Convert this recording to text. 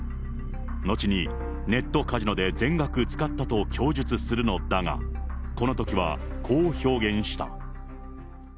後にネットカジノで全額使ったと供述するのだが、このときはこう表現した。